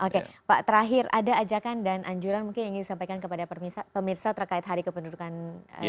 oke pak terakhir ada ajakan dan anjuran mungkin yang ingin disampaikan kepada pemirsa terkait hari kependudukan ini